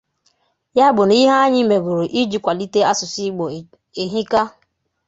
Ya bụ na ihe anyị mègoro iji kwàlite asụsụ Igbo ehika